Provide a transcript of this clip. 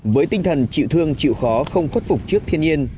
với tinh thần chịu thương chịu khó không khuất phục trước thiên nhiên